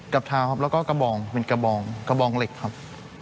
กับเท้าครับแล้วก็กระบองเป็นกระบองกระบองเหล็กครับ